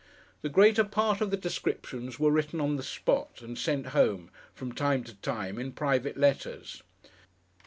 The greater part of the descriptions were written on the spot, and sent home, from time to time, in private letters.